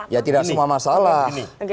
ya tidak semua masalah